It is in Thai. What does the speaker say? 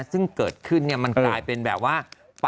ซึ่งเกิดขึ้นมันกลายเป็นแบบว่า